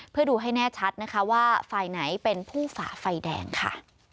เพื่อดูให้แน่ชัดนะคะว่าฝ่ายไหนเป็นผู้ฝ่าไฟแดงค่ะ